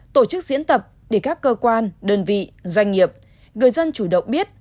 tổ chức diễn tập để các cơ quan đơn vị doanh nghiệp người dân chủ động biết